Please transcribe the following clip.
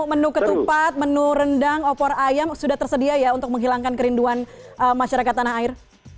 menu ketupat menu rendang opor ayam sudah tersedia ya untuk menghilangkan kerinduan masyarakat tanah air